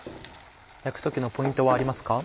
焼く時のポイントはありますか？